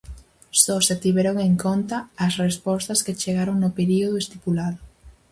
Só se tiveron en conta as respostas que chegaron no período estipulado.